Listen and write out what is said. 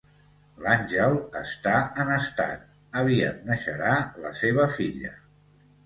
L'Àngel està en estat, aviat neixerà la seva filla